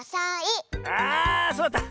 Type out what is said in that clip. あそうだった。